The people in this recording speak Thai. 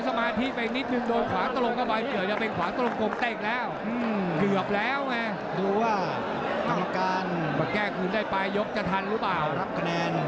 สุดยอดจริงช็อปเกมปีลเล่นกองลัวเข้าสู่ช่วงสุดท้าย